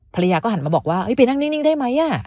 ภรรยาก็หันมาบอกว่าไปนั่งนิ่งได้ไหม